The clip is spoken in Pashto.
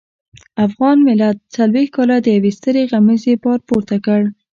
افغان ملت څلويښت کاله د يوې سترې غمیزې بار پورته کړ.